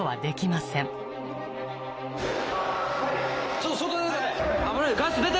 ちょっと外出て！